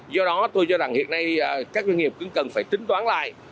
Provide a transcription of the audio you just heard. do đó tôi cho rằng hiện nay các doanh nghiệp cũng cần phải tính toán lại